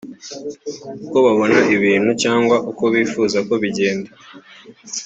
uko babona ibintu cyangwa uko bifuza ko bigenda